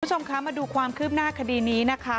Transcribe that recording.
คุณผู้ชมคะมาดูความคืบหน้าคดีนี้นะคะ